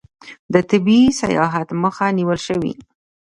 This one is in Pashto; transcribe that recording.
د طبي سیاحت مخه نیول شوې؟